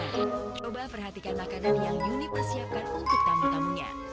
coba perhatikan makanan yang yuni persiapkan untuk tamu tamunya